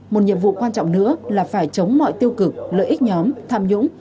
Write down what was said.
một nhiệm vụ quan trọng nữa là phải chống mọi tiêu cực lợi ích nhóm tham nhũng